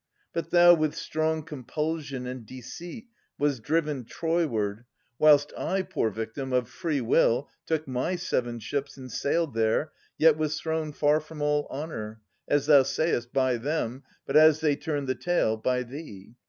But thou With strong compulsion and deceit was driven Troyward, whilst I, poor victim, of free will Took my seven ships and sailed there, yet was thrown Far from all honour, — as thou sayest, by them, But, as they turn the tale, by thee.